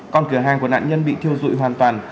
còn cửa hàng của nạn nhân bị thiêu dụi hoàn toàn